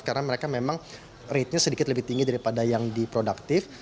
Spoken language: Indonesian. karena mereka memang ratenya sedikit lebih tinggi daripada yang di produktif